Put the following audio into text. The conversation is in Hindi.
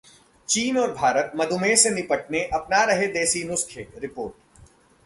चीन और भारत मधुमेह से निपटने अपना रहे देसी नुस्खे: रिपोर्ट